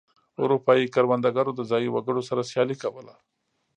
اروپايي کروندګرو د ځايي وګړو سره سیالي کوله.